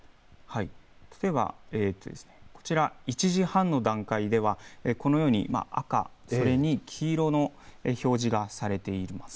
例えば、こちら１時半の段階ではこのように赤、それに黄色の表示がされています。